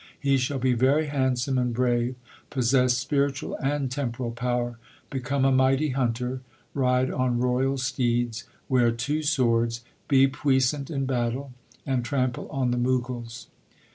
He shall be very handsome and brave, possess spiritual and temporal power, become a mighty hunter, ride on royal steeds, wear two swords, be puissant in battle, and trample on the Mughals.